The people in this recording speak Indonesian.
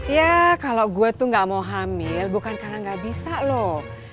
ya kalau gue tuh gak mau hamil bukan karena gak bisa loh